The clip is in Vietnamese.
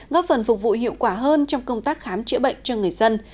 góp phần phục vụ hiệu quả hơn trong công tác khám chữa bệnh cho người dân